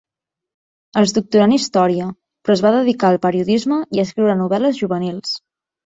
Es doctorà en història, però es va dedicar al periodisme i a escriure novel·les juvenils.